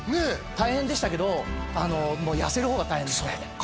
大変でしたけどもう痩せる方が大変ですね